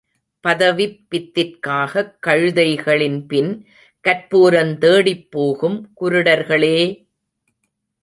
பதவிப் பித்திற்காகக் கழுதைகளின்பின் கற்பூரந் தேடிப்போகும் குருடர்களே!